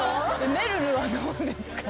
めるるはどうですか？